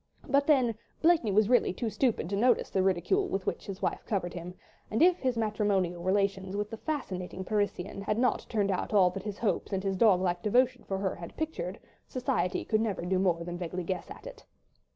But then Blakeney was really too stupid to notice the ridicule with which his clever wife covered him, and if his matrimonial relations with the fascinating Parisienne had not turned out all that his hopes and his dog like devotion for her had pictured, society could never do more than vaguely guess at it.